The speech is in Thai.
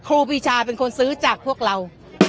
ครูปีชาเป็นคนซื้อจากพวกเรา